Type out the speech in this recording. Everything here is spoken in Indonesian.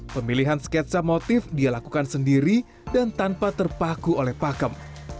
pemilihan sketsa motif dia lakukan sendiri dan tanpa terpaku oleh pakem